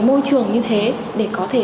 môi trường như thế để có thể